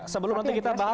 sebelum nanti kita bahas